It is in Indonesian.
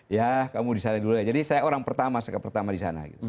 ya kamu di sana dulu jadi saya orang pertama sekepertama di sana